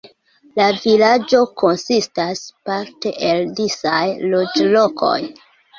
La vilaĝo konsistas parte el disaj loĝlokoj.